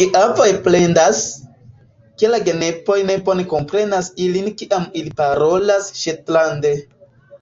Geavoj plendas, ke la genepoj ne bone komprenas ilin kiam ili parolas ŝetlande.